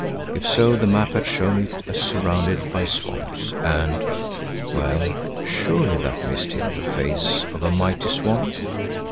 If so the map had shown it as surrounded by swamps and—well, surely that mist hid the face of a mighty swamp?